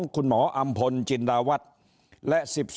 ๑๒คุณหมออำพลจินดาวัฒน์